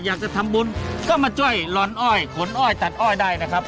อยากจะทำบุญก็มาช่วยลอนอ้อยขนอ้อยตัดอ้อยได้นะครับ